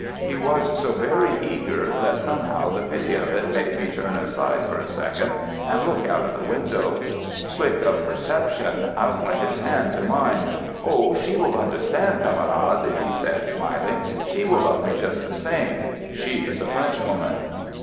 He was so very eager that somehow the pity of it made me turn aside for a sec ond, and look out the window. Quick of perception, out went his hand to mine — "Oh, she will understand, camarade," he said, smiling; "she will love me just the same — she is a Frenchwoman."